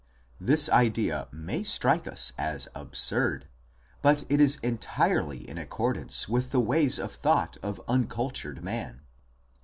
This idea may strike us as absurd, but it is entirely in accordance with the ways of thought of uncultured man.